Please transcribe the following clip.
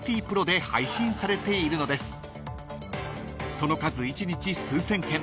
［その数一日数千件］